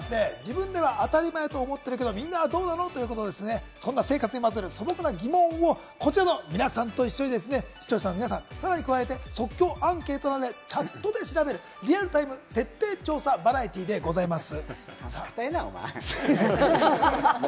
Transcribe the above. こちらのコーナーは、自分では当たり前と思ってるけど、みんなはどうなの？ということで、そんな生活にまつわる素朴な疑問をこちらの皆さんと視聴者の皆さんを加えて、即興アンケートなどでチャットで調べる、リアルタイム徹底調査バラエティーでございます。